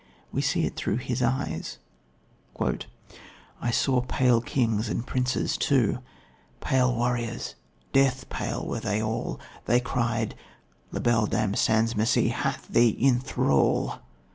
We see it through his eyes: "I saw pale kings and princes too, Pale warriors, death pale were they all: They cried 'La Belle Dame sans Merci Hath thee in thrall!'